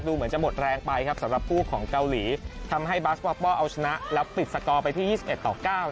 เหมือนจะหมดแรงไปครับสำหรับคู่ของเกาหลีทำให้บาสปอปป้อเอาชนะแล้วปิดสกอร์ไปที่๒๑ต่อ๙